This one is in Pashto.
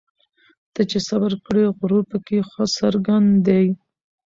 ته چي صبر کړې غرور پکښي څرګند دی